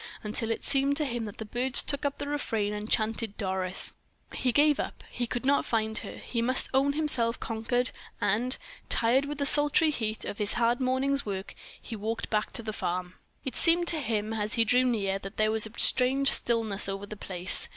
until it seemed to him that the birds took up the refrain and chanted "Doris!" He gave it up; he could not find her; he must own himself conquered; and, tired with the sultry heat and his hard morning's work, he walked back to the farm. It seemed to him, as he drew near, that there was a strange stillness over the place.